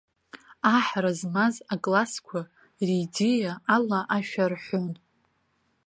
Аҳра змаз аклассқәа ридеиа ала ашәа рҳәон.